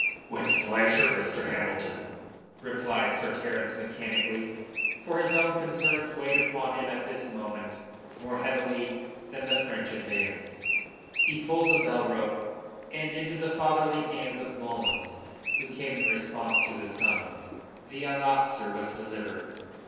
"With pleasure, Mr. Hamilton," replied Sir Terence mechanically for his own concerns weighed upon him at this moment more heavily than the French advance. He pulled the bell rope, and into the fatherly hands of Mullins, who came in response to the summons, the young officer was delivered.